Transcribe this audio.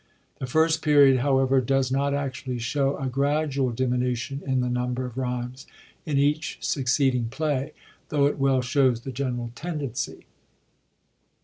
The first period, however, does not actually show a gradual diminution in the number of rymes in each succeeding play, though it well shows the general tendency.